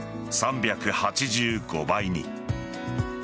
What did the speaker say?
３８５倍に。